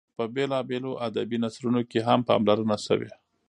په بېلابېلو ادبي نثرونو کې هم پاملرنه شوې.